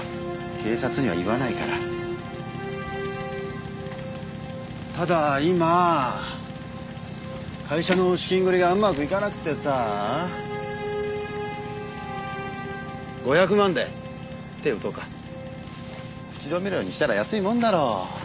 警察には言わなただ今会社の資金繰りがうまくいかなくてさぁ５００万で手を打とうか口止め料にしたら安いもんだろう？